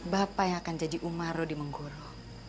bapak yang akan jadi umaroh di menggoro